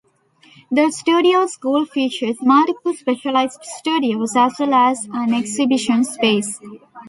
The studio school features multiple specialized studios as well as an exhibition space.